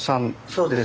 そうです。